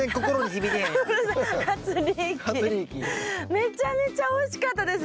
めちゃめちゃおいしかったです！